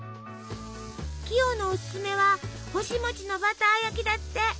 キヨのおすすめは「干し餅のバター焼き」だって。